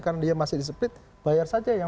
karena dia masih disiplin bayar saja yang